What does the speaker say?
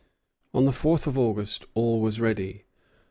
On the fourth of August all was ready.